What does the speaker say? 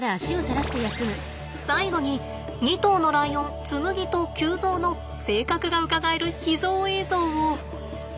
最後に２頭のライオンつむぎと臼三の性格がうかがえる秘蔵映像を。